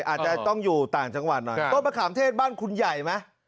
อาจจะต้องอยู่ต่างจังหวัดหน่อยต้นมะขามเทศบ้านคุณใหญ่ไหม